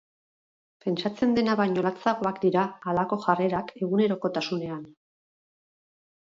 Pentsatzen dena baino latzagoak dira halako jarrerak egunerokotasunean.